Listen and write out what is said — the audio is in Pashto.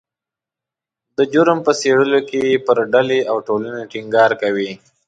د جرم په څیړلو کې پر ډلې او ټولنې ټینګار کوي